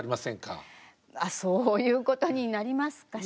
あっそういうことになりますかしら。